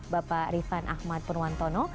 bapak ariefan ahmad purwantono